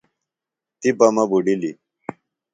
تِپہ مہ بوڈِیلیۡ